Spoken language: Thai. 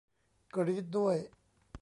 กรี๊ดด้วย !